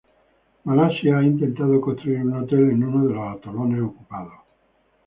Malasia ha intentado construir un hotel en uno de los atolones ocupados.